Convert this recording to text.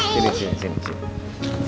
terima kasih ya ma'am